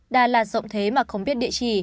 đà lạt rộng thế mà không biết địa chỉ